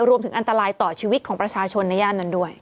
อันตรายต่อชีวิตของประชาชนในย่านนั้นด้วย